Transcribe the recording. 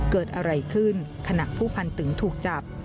เกิดอะไรขึ้นขณะผู้พันตึงถูกจับ